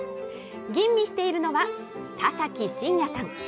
吟味しているのは、田崎真也さん。